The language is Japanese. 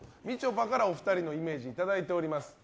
ぱからお二人のイメージいただいております。